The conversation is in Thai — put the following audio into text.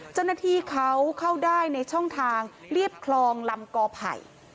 เจ้าหน้าที่เขาเข้าได้ในช่องทางเรียบคลองลำกอไผ่